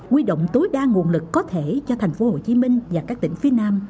quy động tối đa nguồn lực có thể cho thành phố hồ chí minh và các tỉnh phía nam